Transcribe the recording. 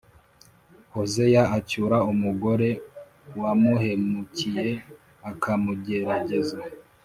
Hozeya acyura umugore wamuhemukiye, akamugerageza